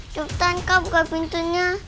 jepitan kak buka pintunya